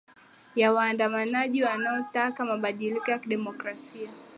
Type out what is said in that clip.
ya waandamanaji wanaotaka mabadiliko ya kidemokrasia